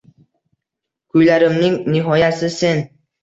Kuylarimning nihoyasi sen.